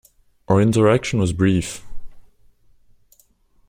Our interaction was brief.